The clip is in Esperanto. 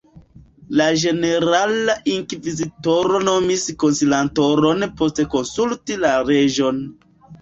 La Ĝenerala Inkvizitoro nomis konsilantaron post konsulti la reĝon.